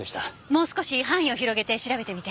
もう少し範囲を広げて調べてみて。